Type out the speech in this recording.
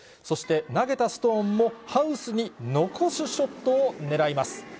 そして、投げたストーンもハウスに残すショットを狙います。